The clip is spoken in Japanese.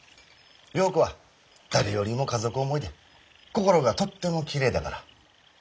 良子は誰よりも家族思いで心がとってもきれいだから。